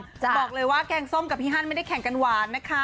บอกเลยว่าแกงส้มกับพี่ฮันไม่ได้แข่งกันหวานนะคะ